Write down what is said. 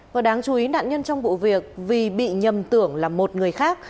và đáng chú ý nạn nhân trong vụ việc vì bị nhầm tưởng là một người khác